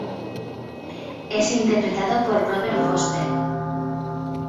Es interpretado por Robert Forster.